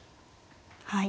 はい。